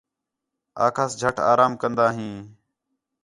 آکھاس جھٹ آرام کندا ہیں